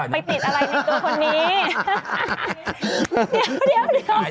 ไปติดอะไรในตัวคนนี้